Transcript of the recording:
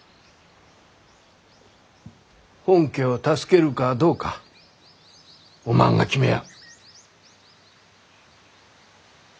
本家を助けるかどうかおまんが決めや。